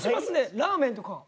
ラーメンとか。